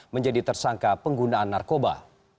menjadi tersangka penggunaan narkoba